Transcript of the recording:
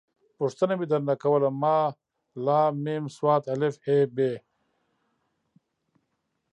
پوښتنه مې در نه کوله ما …ل …م ص … ا .. ح… ب.